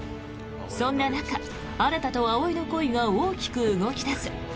そんな中新と葵の恋が大きく動き出す。